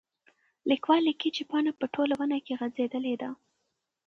لیکوال لیکلي چې پاڼه په ټوله ونه کې غځېدلې ده.